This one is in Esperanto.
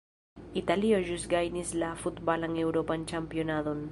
Italio ĵus gajnis la futbalan eŭropan ĉampionadon.